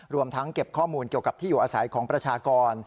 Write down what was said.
รวมทั้งเก็บข้อมูลเกี่ยวกับที่อยู่อาศัยของประชากร